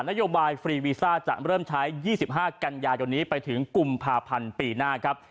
นโยบายฟรีวีซ่าจะเริ่มใช้๒๕กันยายนนี้ไปถึงกุมภาพันธ์ปีหน้าครับ